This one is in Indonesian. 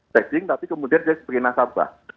trading tapi kemudian jadi sebagai nasabah